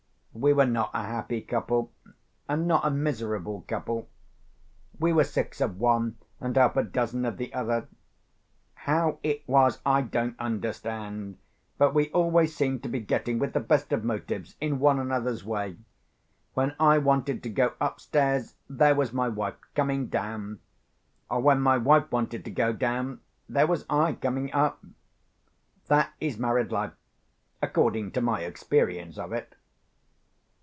We were not a happy couple, and not a miserable couple. We were six of one and half a dozen of the other. How it was I don't understand, but we always seemed to be getting, with the best of motives, in one another's way. When I wanted to go upstairs, there was my wife coming down; or when my wife wanted to go down, there was I coming up. That is married life, according to my experience of it.